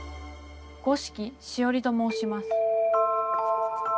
五色しおりと申します。